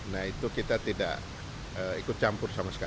nah itu kita tidak ikut campur sama sekali